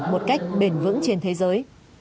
một cách bền vững trên thế giới